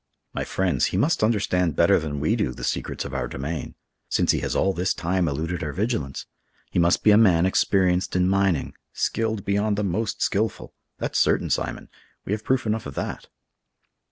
"My friends, he must understand better than we do the secrets of our domain, since he has all this time eluded our vigilance. He must be a man experienced in mining, skilled beyond the most skillful—that's certain, Simon! We have proof enough of that.